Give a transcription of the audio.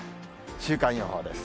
週間予報です。